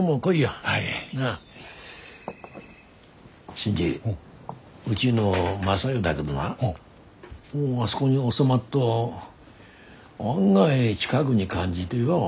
新次うちの雅代だげどなもうあそごに収まっと案外近ぐに感じでよ。